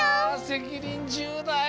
せきにんじゅうだい。